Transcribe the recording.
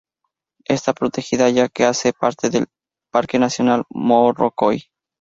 Está protegida ya que hace parte del Parque nacional Morrocoy.